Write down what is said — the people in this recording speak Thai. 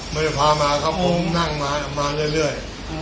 มันจะพามาครับผมนั่งมาเรื่อย